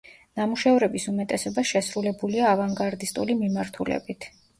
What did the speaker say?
ნამუშევრების უმეტესობა შესრულებულია ავანგარდისტული მიმართულებით.